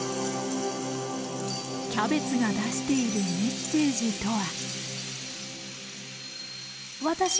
キャベツが出しているメッセージとは。